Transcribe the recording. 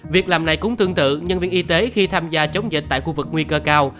việc làm này cũng tương tự nhân viên y tế khi tham gia chống dịch tại khu vực nguy cơ cao